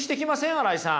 新井さん。